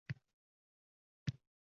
U to‘yib-to‘yib xo‘rsindi.